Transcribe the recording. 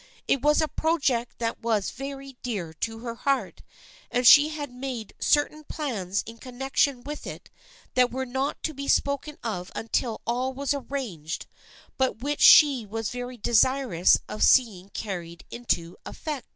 It was a project that was very dear to her heart, and she had made certain plans in connection with it that were not to be spoken of until all was arranged but which she was very desirous of seeing carried into effect.